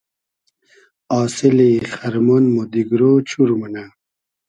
آسیلی خئرمۉن مۉ دیگرۉ چور مونۂ